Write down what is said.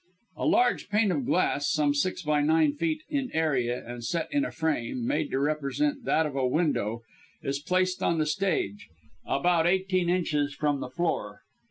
A large pane of glass some nine by six feet in area, and set in a frame, made to represent that of a window, is placed on the stage, about eighteen inches from the floor.